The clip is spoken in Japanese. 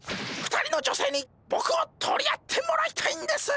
２人の女性にボクを取り合ってもらいたいんです！